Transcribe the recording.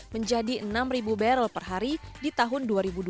menjadi enam barrel per hari di tahun dua ribu dua puluh